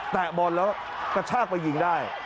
บอลแล้วกระชากไปยิงได้